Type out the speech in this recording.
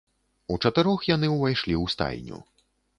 Учатырох яны ўвайшлі ў стайню.